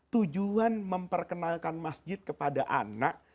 tujuan memperkenalkan masjid kepada anak